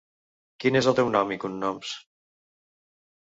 Quin és el teu nom i cognoms?